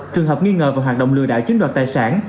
trường hợp nghi ngờ về hoạt động lừa đảo chiếm lập tài sản